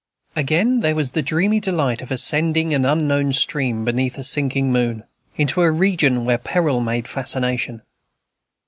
Again there was the dreamy delight of ascending an unknown stream, beneath a sinking moon, into a region where peril made fascination.